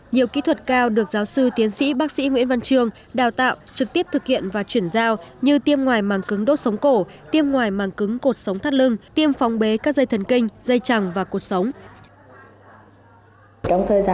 nhiều kỹ thuật cao được giáo sư tiến sĩ bác sĩ nguyễn văn trường đào tạo trực tiếp thực hiện và chuyển giao như tiêm ngoài màng cứng đốt sống cổ tiêm ngoài màng cứng cột sống thắt lưng tiêm phóng bế các dây thần kinh dây chẳng và cuộc sống